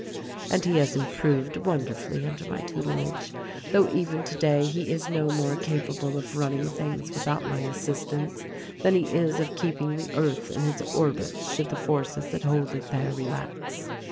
And he has improved wonder fully under my tutelage — though even today he is no more capable of running things without my assistance than he is of keeping the earth in its orbit should the forces that hold it there relax.